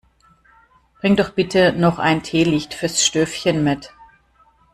Bring doch bitte noch ein Teelicht fürs Stövchen mit!